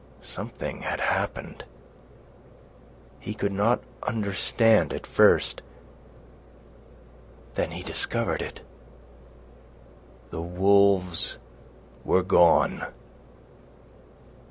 Something had happened. He could not understand at first. Then he discovered it. The wolves were gone.